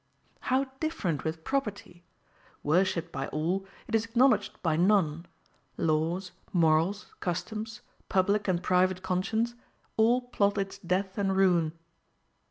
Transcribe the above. How different with property! Worshipped by all, it is acknowledged by none: laws, morals, customs, public and private conscience, all plot its death and ruin.